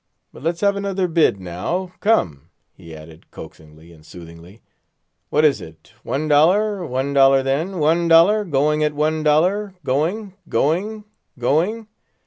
But let's have another bid; now, come," he added, coaxingly and soothingly. "What is it? One dollar, one dollar then—one dollar; going at one dollar; going, going—going.